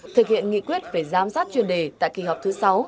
thực hiện nghị quyết về giám sát chuyên đề tại kỳ họp thứ sáu